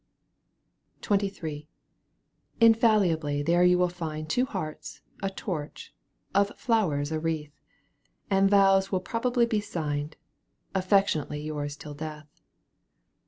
XXIII. Infallibly you there will find Two hearts, a torch, of flowers a wreath, And vows will probably be signed : Affectionately yours till death.